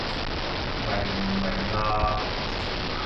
明唔明啊？